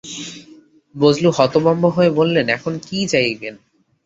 বজলু হতভম্ব হয়ে বলল, এখন কি যাইবেন?